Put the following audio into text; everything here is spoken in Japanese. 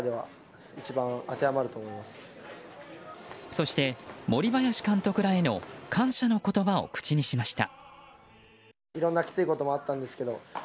そして森林監督への感謝の言葉を口にしました。